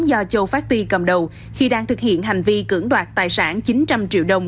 do châu phát ti cầm đầu khi đang thực hiện hành vi cưỡng đoạt tài sản chín trăm linh triệu đồng